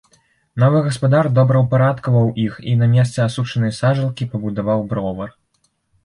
Новы гаспадар добраўпарадкаваў іх і на месцы асушанай сажалкі пабудаваў бровар.